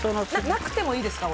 なくてもいいですか？